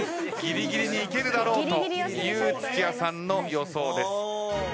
ギリギリにいけるだろうという土屋さんの予想です。